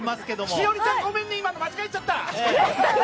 栞里ちゃん、ごめんね、今、間違えちゃった。